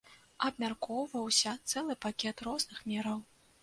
Абмяркоўваўся цэлы пакет розных мераў.